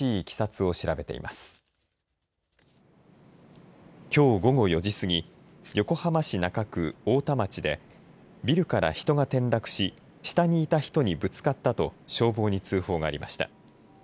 きょう午後４時過ぎ横浜市中区太田町でビルから人が転落し下にいた人にぶつかったと消防に通報がありました。